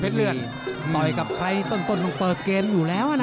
ส่วนที่ต่างต้องเปิดเกมอยู่แล้วนะ